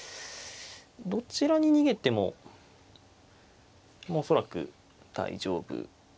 どちらに逃げても恐らく大丈夫。